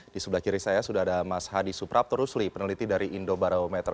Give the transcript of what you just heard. di sebelah kiri saya sudah ada mas hadi suprapto rusli peneliti dari indobarometer